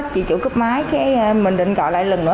chị chủ cấp máy mình định gọi lại lần nữa